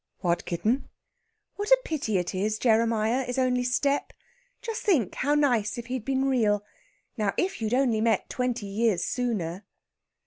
"What, kitten?" "What a pity it is Jeremiah is only step! Just think how nice if he'd been real. Now, if you'd only met twenty years sooner...."